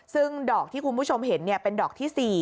ซึ่งดอกที่คุณผู้ชมเห็นเป็นดอกที่๔